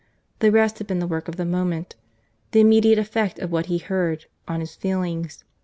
—The rest had been the work of the moment, the immediate effect of what he heard, on his feelings.